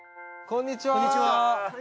こんにちは。